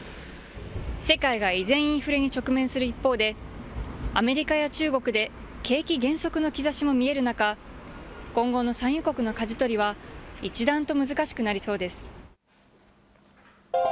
世界が依然インフレに直面する一方でアメリカや中国で景気減速の兆しも見えるなか今後の産油国のかじ取りは一段と難しくなりそうです。